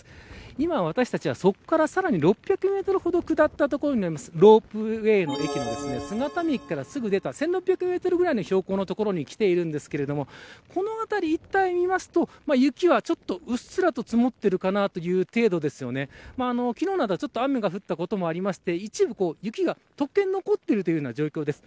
今、私たちはそこから６００メートルほど下った所にあるロープウエーの駅の駅からすぐ出た１６００メートルぐらいの所に来ていますがこの辺り一帯を見ると、雪はうっすらと積もっているかなという程度ですが昨日などは雨が降ったこともあって一部雪が解け残っている状況です。